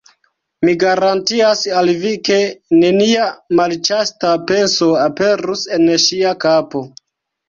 Mi garantias al vi, ke nenia malĉasta penso aperus en ŝia kapo.